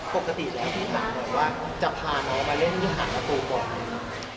ปกติแล้วที่ถามว่าจะพาน้องมาเล่นยาหารกระตูก่อน